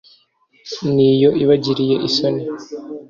n’ iyo ibagiriye isoni